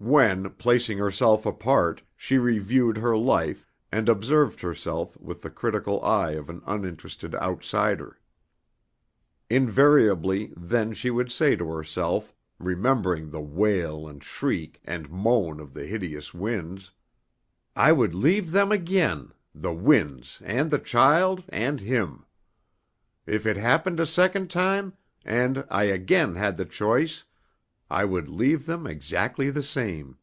When, placing herself apart, she reviewed her life and observed herself with the critical eye of an uninterested outsider. Invariably then she would say to herself, remembering the wail and shriek and moan of the hideous winds: "I would leave them again, the winds and the child and him. If it happened a second time, and I again had the choice, I would leave them exactly the same."